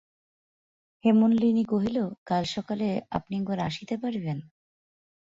হেমনলিনী কহিল, কাল সকালে আপনি একবার আসিতে পারিবেন?